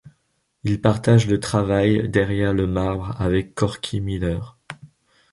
Il partage le travail derrière le marbre avec Corky Miller.